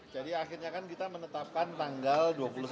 jadi akhirnya kan kita menetapkan tanggal dua puluh